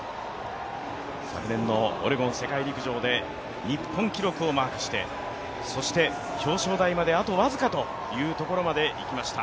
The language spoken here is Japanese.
昨年のオレゴン世界陸上で日本記録をマークしてそして表彰台まであと僅かというところまでいきました。